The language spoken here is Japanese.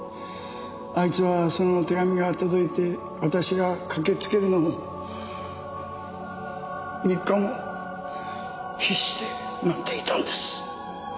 あいつはその手紙が届いて私が駆けつけるのを３日も必死で待っていたんです。